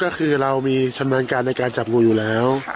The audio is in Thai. ก็คือเรามีชำเนินการในการจับงูอยู่แล้ว